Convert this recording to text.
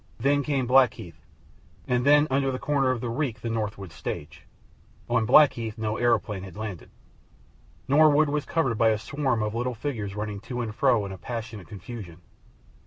Then came Blackheath, and then under the corner of the reek the Norwood stage. On Blackheath no aeroplane had landed. Norwood was covered by a swarm of little figures running to and fro in a passionate confusion.